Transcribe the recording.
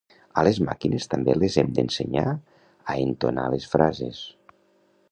A les màquines també les hem d'ensenyar a entonar les frases